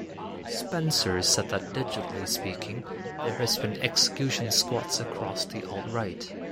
Spencer said that digitally speaking, there has been execution squads across the alt-right.